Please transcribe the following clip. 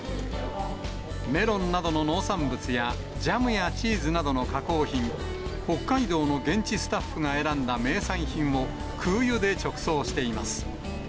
メロンなどの農産物や、ジャムやチーズなどの加工品、北海道の現地スタッフが選んだ名産品も、空輸で直送しています。